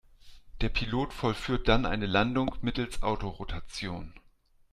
Der Pilot vollführt dann eine Landung mittels Autorotation.